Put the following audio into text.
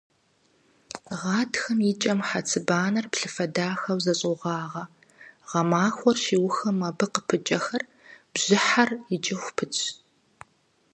Гъатхэм и кӀэм хьэцыбанэр плъыфэ дахэу зэщӀогъагъэ, гъэмахуэр щиухым абы къыпыкӀэхэр бжьыхьэр икӀыху пытщ.